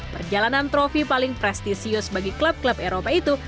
perjalanan trofi paling prestisius bagi klub klub eropa itu